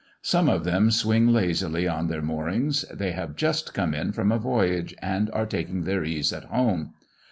Some of them swing lazily on their moorings; they have just come in from a voyage, and are taking their ease at home.